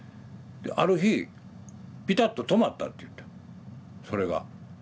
である日ピタッと止まったって言ったそれが。